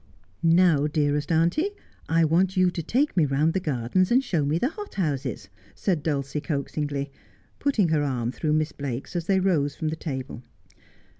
' Now, dearest auntie, I want you to take me round the gardens, and show me the hothouses,' said Dulcie coaxingly, putting her arm through Miss Blake's as they rose from the table.